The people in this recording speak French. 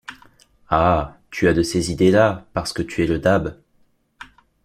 Ah! tu as de ces idées-là, parce que tu es le dab !...